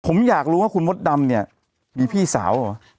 ผมอยากรู้ว่าคุณมดดำเนี่ยมีพี่สาวเหรอ